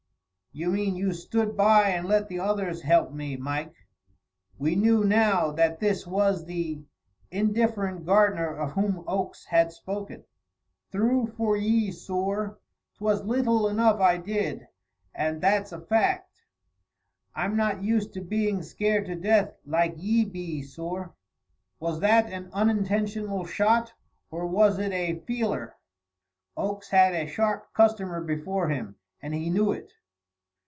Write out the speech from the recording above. "You mean you stood by and let the others help me, Mike." We knew now that this was the indifferent gardener of whom Oakes had spoken. "Thrue for ye, sorr; 'twas little enough I did, and that's a fact; I'm not used to being scared to death like ye be, sorr." Was that an unintentional shot, or was it a "feeler"? Oakes had a sharp customer before him, and he knew it.